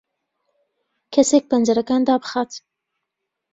کەسێک پەنجەرەکان دابخات.